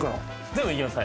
全部いけます。